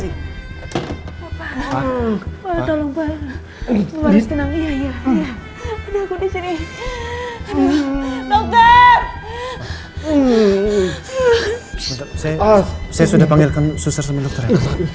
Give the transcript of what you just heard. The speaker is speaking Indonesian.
ini dokter saya saya sudah panggilkan susah semuanya